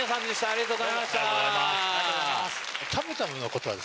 ありがとうございます。